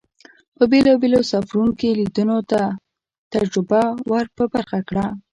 په بېلابېلو سفرون کې لیدنو هغه ته تجربه ور په برخه کړه.